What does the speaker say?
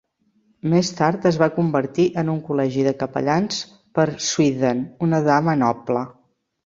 Més tard es va convertir en un col·legi de capellans per "Swithen", una dama noble.